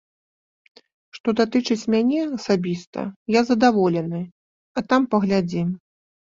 Што датычыць мяне асабіста, я задаволены, а там паглядзім.